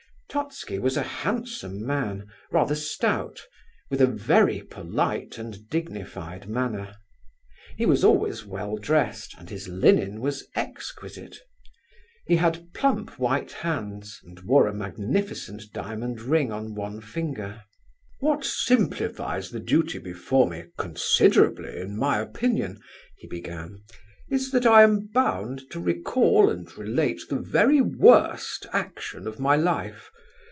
Totski was a handsome man, rather stout, with a very polite and dignified manner. He was always well dressed, and his linen was exquisite. He had plump white hands, and wore a magnificent diamond ring on one finger. "What simplifies the duty before me considerably, in my opinion," he began, "is that I am bound to recall and relate the very worst action of my life.